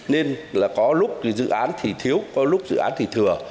nên là có lúc thì dự án thì thiếu có lúc dự án thì thừa